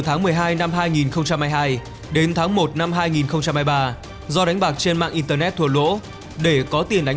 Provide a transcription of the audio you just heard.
tháng một mươi hai năm hai nghìn hai mươi hai đến tháng một năm hai nghìn hai mươi ba do đánh bạc trên mạng internet thua lỗ để có tiền đánh